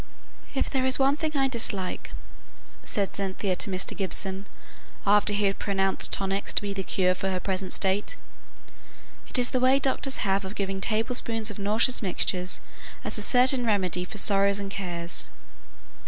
"If there is one thing I dislike," said Cynthia to Mr. Gibson, after he had pronounced tonics to be the cure for her present state, "it is the way doctors have of giving tablespoonfuls of nauseous mixtures as a certain remedy for sorrows and cares."